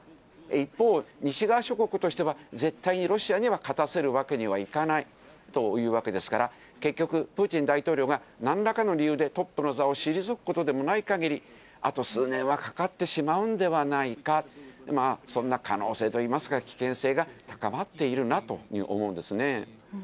一方、西側諸国としては、絶対にロシアには勝たせるわけにはいかないというわけですから、結局、プーチン大統領がなんらかの理由でトップの座を退くことでもないかぎり、あと数年はかかってしまうのではないか、そんな可能性といいますか、危険性が高まっているなと思うんですね。